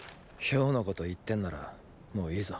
漂のこと言ってんならもういいぞ。